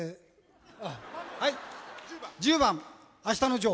１０番「あしたのジョー」。